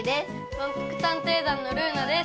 まんぷく探偵団のルーナです。